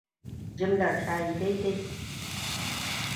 Jimlar ta yi daidai.